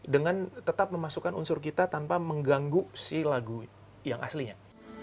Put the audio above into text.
dengan tetap memasukkan unsur kita tanpa mengganggu si lagu yang aslinya